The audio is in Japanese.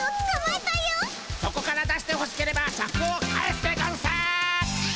そこから出してほしければシャクを返すでゴンス！